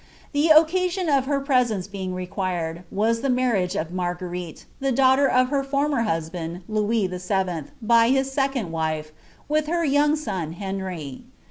The occasion of her presence being required, was the mar riage of Marguerite, the daughter of her former husband Louis VIl. by his second wife, with her young son Henry.